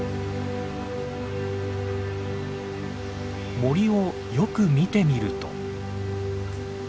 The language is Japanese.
森をよく見てみると。